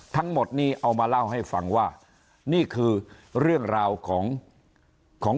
ทั้งหมดนี้เอามาเล่าให้ฟังว่านี่คือเรื่องราวของของ